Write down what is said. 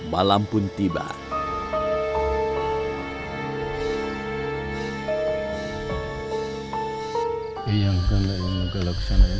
malam pun tiba